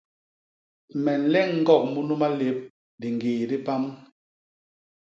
Me nleñ ñgok munu malép diñgii di pam.